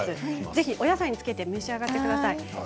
お野菜につけて召し上がってください。